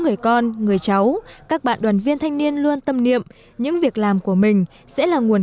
người con người cháu các bạn đoàn viên thanh niên luôn tâm niệm những việc làm của mình sẽ là nguồn